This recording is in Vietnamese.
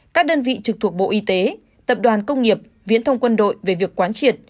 các đơn vị trực thuộc bộ y tế tập đoàn công nghiệp viễn thông quân đội về việc quán triệt